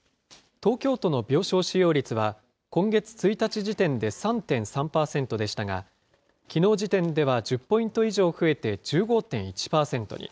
東京都の病床使用率は、今月１日時点で３．３％でしたが、きのう時点では１０ポイント以上増えて１５．１％に。